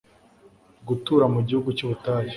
Gutura mu gihugu cy’ubutayu